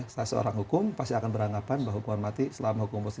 saya seorang hukum pasti akan beranggapan bahwa hukuman mati selama hukum positif